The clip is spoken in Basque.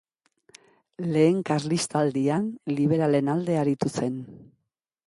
Lehen Karlistaldian liberalen alde aritu zen.